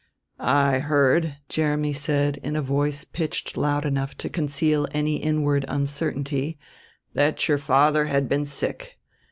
"I heard," Jeremy said in a voice pitched loud enough to conceal any inward uncertainty, "that your father had been sick.